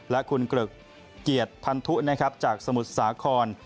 และคุณกรึกเกียรติพันธุนะครับจากสมุทรสาคร